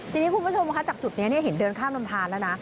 ทีนี้คุณผู้ชมค่ะจากจุดนี้เห็นเดินข้ามลำทานแล้วนะ